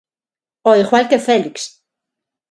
Ao igual que Félix.